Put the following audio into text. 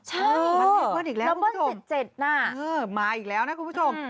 ใช่รับเบิ้ล๗๗น่ะคุณผู้ชมมาอีกแล้วนะคุณผู้ชม